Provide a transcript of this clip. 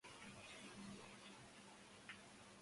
Consonantes: ch, j, k, l, m, n, p, r, s, sh, t, w, y.